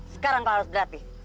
sekarang kau harus berlatih